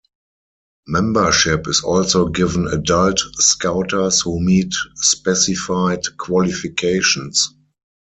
Membership is also given adult Scouters who meet specified qualifications.